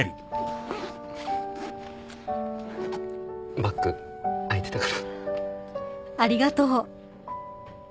バッグ開いてたから。